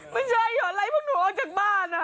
ไม่ใช่เหรออะไรพวกหนูออกจากบ้าน